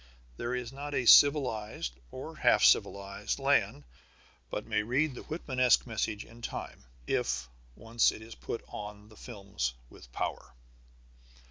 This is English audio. There is not a civilized or half civilized land but may read the Whitmanesque message in time, if once it is put on the films with power.